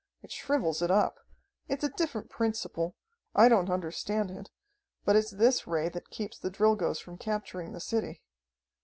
It shrivels it up. It's a different principle. I don't understand it, but it's this Ray that keeps the Drilgoes from capturing the city.